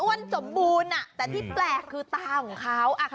สมบูรณ์แต่ที่แปลกคือตาของเขา